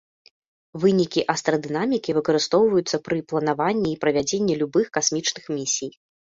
Вынікі астрадынамікі выкарыстоўваюцца пры планаванні і правядзенні любых касмічных місій.